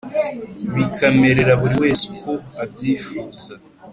bikamerera buri wese uko abyifuza.